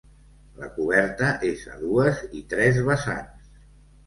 La coberta és a dues i tres vessants.